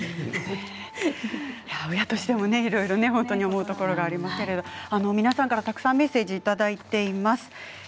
親としてもいろいろと思うところがありますけれども皆さんから、たくさんメッセージをいただいています。